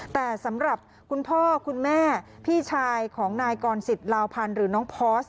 แต่สำหรับคุณพ่อคุณแม่พี่ชายของนายกรสิทธิลาวพันธ์หรือน้องพอร์ส